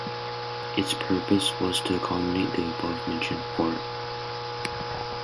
Its purpose was to accommodate the above mentioned port.